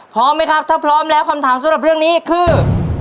พร้อมไหมครับถ้าพร้อมแล้วคำถามสำหรับเรื่องนี้คือ